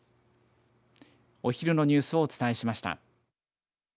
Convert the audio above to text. お昼のニュースをお伝えしました。